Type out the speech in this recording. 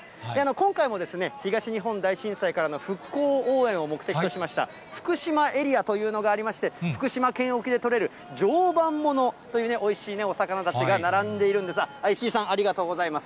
今回も、東日本大震災からの復興応援を目的としました、福島エリアというのがありまして、福島県沖で取れる常磐ものというおいしいお魚たちが並んでいるんですが、石井さん、ありがとうございます。